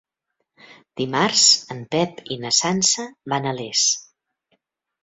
Dimarts en Pep i na Sança van a Les.